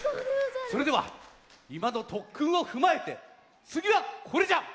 それではいまのとっくんをふまえてつぎはこれじゃ！